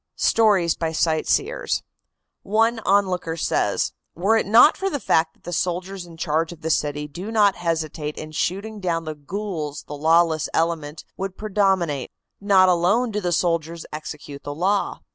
STORIES BY SIGHTSEERS. One onlooker says: "Were it not for the fact that the soldiers in charge of the city do not hesitate in shooting down the ghouls the lawless element would predominate. Not alone do the soldiers execute the law.